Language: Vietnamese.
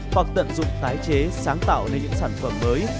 hoặc tận dụng tái chế sáng tạo lên những sản phẩm mới